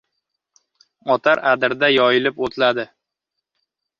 Otar adirda yoyilib o‘tladi.